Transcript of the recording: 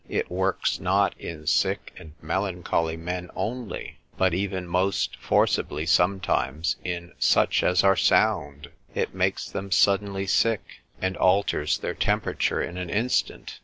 It works not in sick and melancholy men only, but even most forcibly sometimes in such as are sound: it makes them suddenly sick, and alters their temperature in an instant.